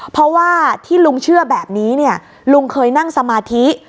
เพราะว่าที่ลุงเชื่อแบบนี้เนี่ยลุงเคยนั่งสมาธิ